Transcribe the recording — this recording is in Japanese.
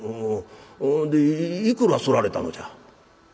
でいくらすられたのじゃ？」。